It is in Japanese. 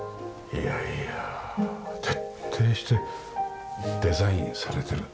いやいや徹底してデザインされてる。